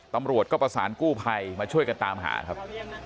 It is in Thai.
ตำรวจก็ประสานกู้ภัยมาช่วยกันตามหาครับ